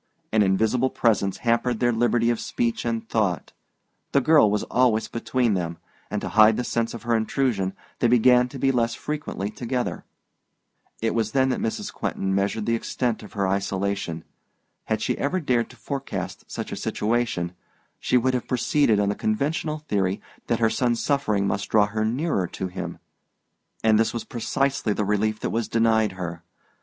An invisible presence hampered their liberty of speech and thought. The girl was always between them; and to hide the sense of her intrusion they began to be less frequently together. It was then that Mrs. Quentin measured the extent of her isolation. Had she ever dared to forecast such a situation, she would have proceeded on the conventional theory that her son's suffering must draw her nearer to him; and this was precisely the relief that was denied her.